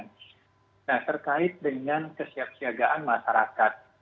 nah terkait dengan kesiapsiagaan masyarakat